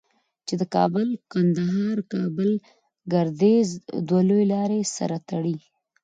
چې د کابل قندهار او کابل گردیز دوه لویې لارې سره تړي.